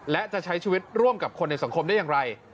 และจะใช้ชีวิตร่วมกับคนในสังคมได้อย่างไร